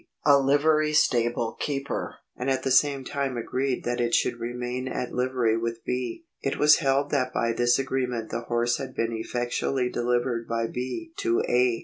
a Uvery stable keeper, and at the same time agreed that it should remain at livery with B. It was held that by this agreement the horse had been effectually delivered by B. to A.